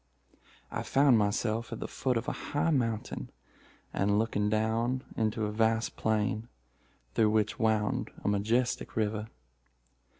"I found myself at the foot of a high mountain, and looking down into a vast plain, through which wound a majestic river.